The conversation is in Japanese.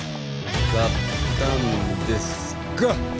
「買ったんですか？」